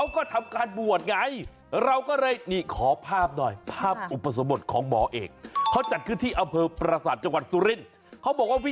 เขาบอกว่า